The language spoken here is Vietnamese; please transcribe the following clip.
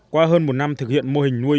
qua hơn một năm thực hiện mô hình nuôi